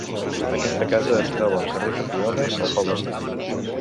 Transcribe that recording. Aquesta casa es troba al carrer Tapioles, al Poble Sec.